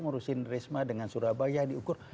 ngurusin risma dengan surabaya diukur